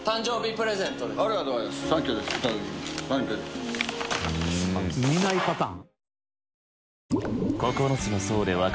Α舛鵝見ないパターン？